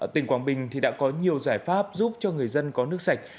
tỉnh quảng bình đã có nhiều giải pháp giúp cho người dân có nước sạch